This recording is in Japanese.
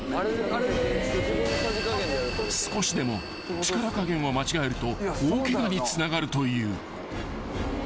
［少しでも力加減を間違えると大ケガにつながるという］